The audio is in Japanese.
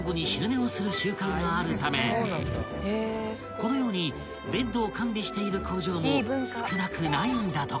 ［このようにベッドを完備している工場も少なくないんだとか］